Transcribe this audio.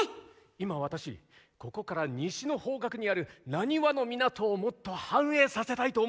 今私ここから西の方角にある難波の港をもっと繁栄させたいと思っているんです。